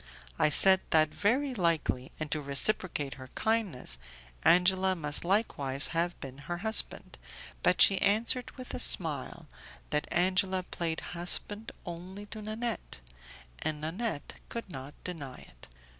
I said that very likely, and to reciprocate her kindness, Angela must likewise have been her husband, but she answered, with a smile, that Angela played husband only to Nanette, and Nanette could not deny it.